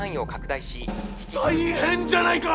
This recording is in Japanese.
大変じゃないか。